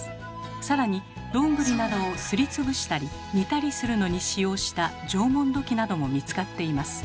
さらにどんぐりなどをすり潰したり煮たりするのに使用した縄文土器なども見つかっています。